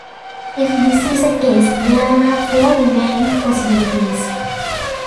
If this is the case, there are four remaining possibilities.